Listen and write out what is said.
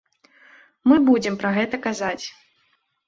Мы будзем пра гэта казаць.